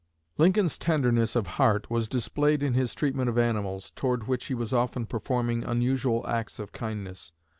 Lincoln's tenderness of heart was displayed in his treatment of animals, toward which he was often performing unusual acts of kindness.